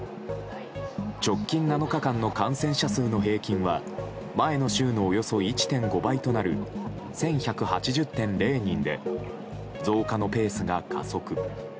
直近７日間の感染者数の平均は前の週のおよそ１．５倍となる１１８０．０人で増加のペースが加速。